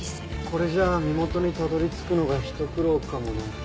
これじゃあ身元にたどり着くのがひと苦労かもね。